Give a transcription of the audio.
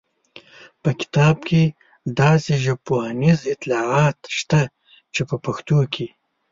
په کتاب کې داسې ژبپوهنیز اصطلاحات شته چې په پښتو کې